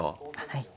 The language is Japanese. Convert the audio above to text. ⁉はい。